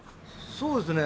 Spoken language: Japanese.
そうですね。